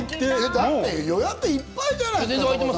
だって予約いっぱいじゃない？